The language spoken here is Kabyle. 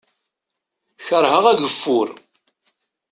Kerheɣ ageffur.